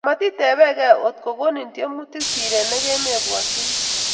Matitepekei otko konin tiemutik siret ne kemebwotyini